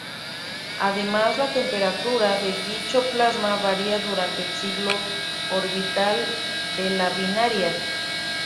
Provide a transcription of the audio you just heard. Además, la temperatura de dicho plasma varía durante el ciclo orbital de la binaria.